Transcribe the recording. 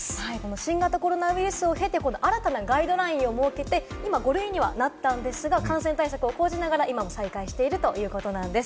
新型コロナウイルスを経て、新たなガイドラインを設けて、今５類にはなったんですが、感染対策を講じながら、今、再開しているということなんです。